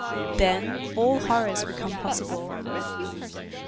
Then all horrors become possible.